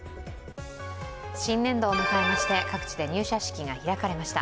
新年度を迎えまして、各地で入社式が開かれました。